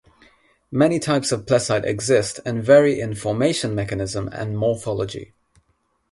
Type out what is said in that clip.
Many types of plessite exist and vary in formation mechanism and morphology.